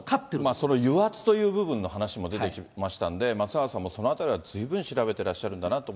その油圧という部分の話も出てましたんで、松永さんもそのあたりはずいぶん詳しく調べてるんだなと。